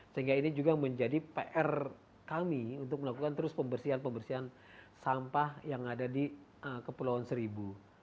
sehingga ini juga menjadi pr kami untuk melakukan terus pembersihan pembersihan sampah yang ada di kepulauan seribu